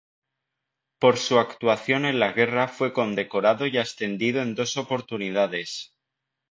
Por su actuación en la guerra fue condecorado y ascendido en dos oportunidades.